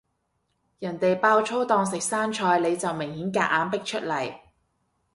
人哋爆粗當食生菜，你就明顯夾硬逼出嚟